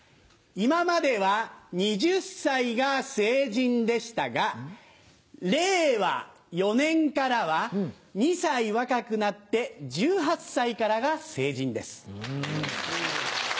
今までは２０歳が成人でしたがレイワ４年からは２歳若くなって１８歳からが成人です。